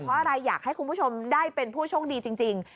เพราะอะไรอยากให้คุณผู้ชมได้เป็นผู้โชคดีจริง